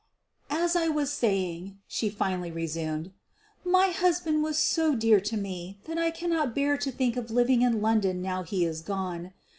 "As I was saying/ ' she finally resumed, "my hus band was so dear to me that I cannot bear to think of living in London now he is gone.